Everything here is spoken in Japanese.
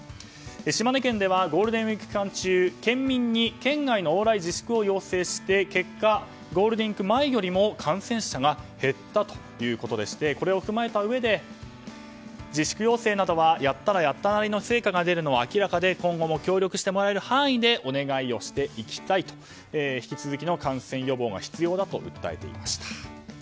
島根県ではゴールデンウィーク期間中県民に県外の往来自粛を要請して結果、ゴールデンウィーク前より感染者が減ったということでしてこれを踏まえたうえで自粛要請などはやったらやったなりの成果が出るのは明らかで今後も協力してもらえる範囲でお願いをしていきたいと引き続きの感染予防が必要だと訴えていました。